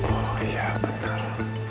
oh iya benar